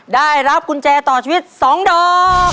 ได้รับกุญแจต่อชีวิต๒ดอก